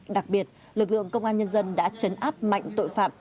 đặc biệt lực lượng công an nhân dân đã chấn áp mạnh tội phạm